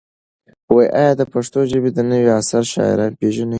ایا ته د پښتو ژبې د نوي عصر شاعران پېژنې؟